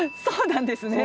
そうなんです。